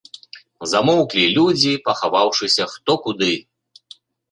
Замоўклі людзі, пахаваўшыся хто куды.